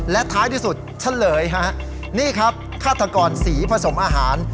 และท้ายที่สุดเฉลยฮะนี่ครับฆาตกรสีผสมอาหาร